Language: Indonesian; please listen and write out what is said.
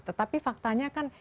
tetapi faktanya kan